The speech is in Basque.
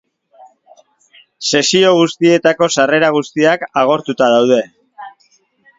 Sesio guztietako sarrera guztiak agortuta daude.